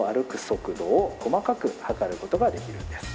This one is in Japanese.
速度を細かく測る事ができるんです。